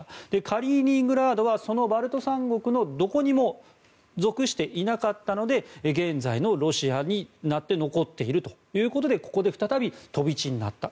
カリーニングラードはそのバルト三国のどこにも属していなかったので現在のロシアになって残っているということでここで再び飛び地になった。